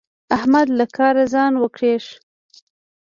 احمد له کاره ځان وکيښ.